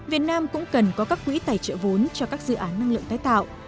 việt nam cũng cần có các quỹ tài trợ vốn cho các dự án năng lượng tái tạo